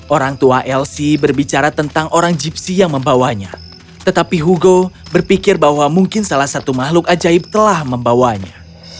orang tua elsie berbicara tentang orang jeepsi yang membawanya tetapi hugo berpikir bahwa mungkin salah satu makhluk ajaib telah membawanya